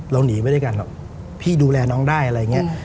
หนีไปด้วยกันพี่ดูแลน้องได้อะไรอย่างนี้